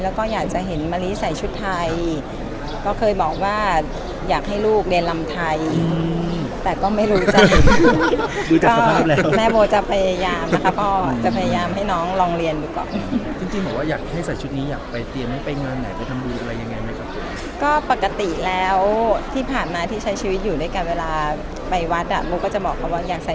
วันนี้ใส่ชุดไทยก็เคยบอกว่าอยากให้ลูกเรียนรำไทยแต่ก็ไม่รู้จักรู้จักสภาพแล้วแม่โบจะพยายามนะครับพ่อจะพยายามให้น้องลองเรียนดีกว่าจริงหรือว่าอยากให้ใส่ชุดนี้อยากไปเตรียมให้ไปเงินไหนไปทำดูอะไรยังไงกับคุณก็ปกติแล้วที่ผ่านมาที่ใช้ชีวิตอยู่ด้วยกันเวลาไปวัดโบก็จะบอกคุณว่าอย